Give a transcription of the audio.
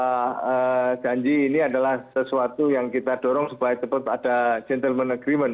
bahwa janji ini adalah sesuatu yang kita dorong supaya cepat ada gentleman agreement